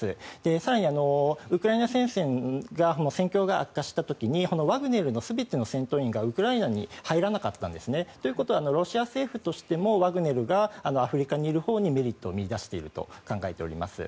更にウクライナ戦線が戦況が悪化した時にワグネルの全ての戦闘員がウクライナに入らなかったんですね。ということはロシア政府としてもワグネルがアフリカにいるほうにメリットを見いだしていると考えております。